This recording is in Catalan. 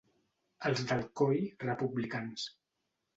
Els d'Alcoi, republicans.